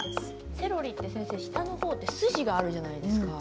セロリは下の方は筋があるじゃないですか。